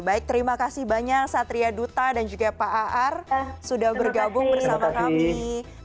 baik terima kasih banyak satria duta dan juga pak a'ar sudah bergabung bersama kami terima kasih banyak sehat selalu